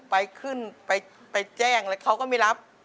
ไปขึ้นไปแจ้งอะไรเขาก็ไม่รับ